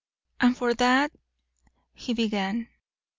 "And for that " he began.